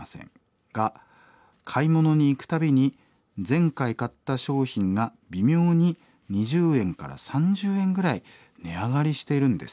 が買い物に行く度に前回買った商品が微妙に２０円から３０円ぐらい値上がりしているんです。